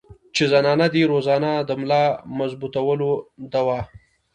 چې زنانه دې روزانه د ملا مضبوطولو دوه